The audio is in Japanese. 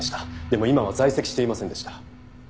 でも今は在籍していませんでした。